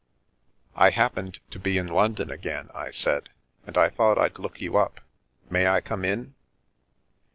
" I happened to be in London again," I said, " and I thought I'd look you up. May I come in?